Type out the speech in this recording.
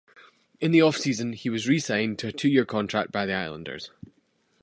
In the off-season, he was re-signed to a two-year contract by the Islanders.